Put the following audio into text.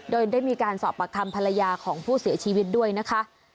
โดยได้มีการสอบปากคำภรรยาของผู้เสียชีวิตด้วยนะคะ